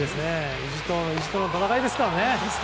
意地と意地との戦いですからね。